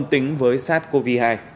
không tính với sars cov hai